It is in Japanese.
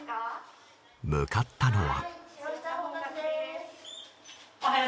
向かったのは。